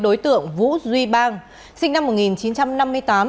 sinh năm một nghìn chín trăm năm mươi tám